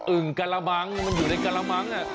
ึ่งกระมังมันอยู่ในกระมั้ง